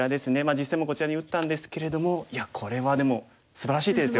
実戦もこちらに打ったんですけれどもいやこれはでもすばらしい手ですよ。